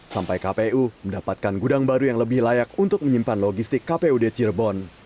sampai kpu mendapatkan gudang baru yang lebih layak untuk menyimpan logistik kpud cirebon